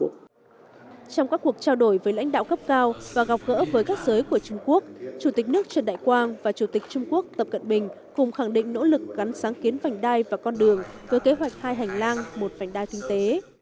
trong các cuộc trao đổi với lãnh đạo cấp cao và gặp gỡ với các giới của trung quốc chủ tịch nước trần đại quang và chủ tịch trung quốc tập cận bình cùng khẳng định nỗ lực gắn sáng kiến vành đai và con đường với kế hoạch hai hành lang một vành đai kinh tế